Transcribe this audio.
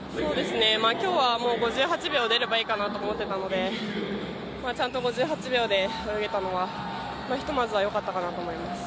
今日は、５８秒出ればいいかなと思っていたのでちゃんと５８秒で泳げたのはひとまずはよかったかなと思います。